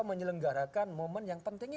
menyelenggarakan momen yang penting itu